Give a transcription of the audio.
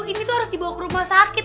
ini tuh harus dibawa ke rumah sakit